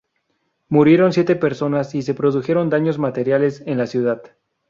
Murieron siete personas y se produjeron daños materiales en la ciudad.